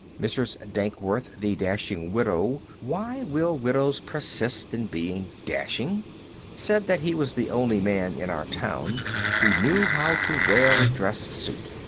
Mrs. Dankworth, the dashing widow (why will widows persist in being dashing?), said that he was the only man in our town who knew how to wear a dress suit.